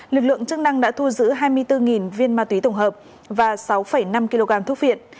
lực lượng chức năng đã thu giữ hai mươi bốn viên ma túy tổng hợp và sáu năm kg thuốc viện